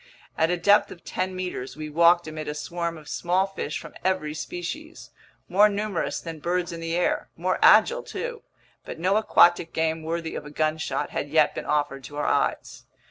At a depth of ten meters, we walked amid a swarm of small fish from every species, more numerous than birds in the air, more agile too; but no aquatic game worthy of a gunshot had yet been offered to our eyes.